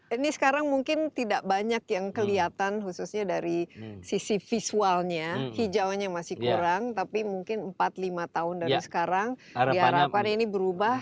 ini sekarang mungkin tidak banyak yang kelihatan khususnya dari sisi visualnya hijaunya masih kurang tapi mungkin empat lima tahun dari sekarang diharapkan ini berubah